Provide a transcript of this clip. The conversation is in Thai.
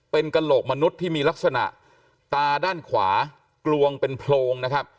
เป็นกระโหลกมนุษย์ที่มีลักษณะตาด้านขวากลวงเป็นโพรงนะครับ